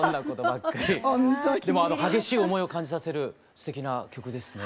でも激しい思いを感じさせるすてきな曲ですね。